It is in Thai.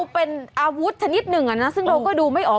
เป็นอาวุธชนิดหนึ่งซึ่งเราก็ดูไม่ออก